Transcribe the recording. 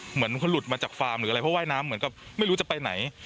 เหมือนเขาหลุดมาจากฟาร์มหรืออะไรเพราะว่ายน้ำเหมือนกับไม่รู้จะไปไหน